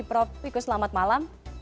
prof wiku selamat malam